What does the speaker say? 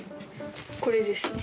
これですね。